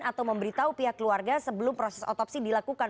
atau memberitahu pihak keluarga sebelum proses otopsi dilakukan